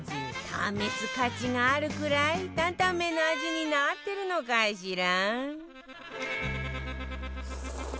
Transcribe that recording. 試す価値があるくらい担々麺の味になってるのかしら？